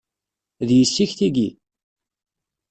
D yessi-k tigi?